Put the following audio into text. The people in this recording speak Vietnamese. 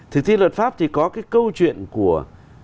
thực thi luật pháp thì có câu chuyện của